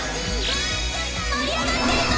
盛り上がっていこ！！